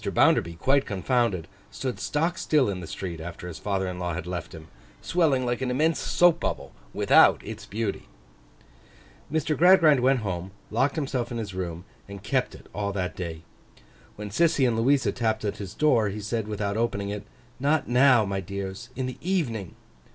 Bounderby quite confounded, stood stock still in the street after his father in law had left him, swelling like an immense soap bubble, without its beauty. Mr. Gradgrind went home, locked himself in his room, and kept it all that day. When Sissy and Louisa tapped at his door, he said, without opening it, 'Not now, my dears; in the evening.